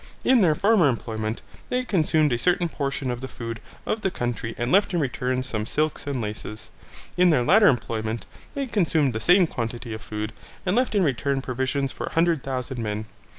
In their former employment they consumed a certain portion of the food of the country and left in return some silks and laces. In their latter employment they consumed the same quantity of food and left in return provision for a hundred thousand men.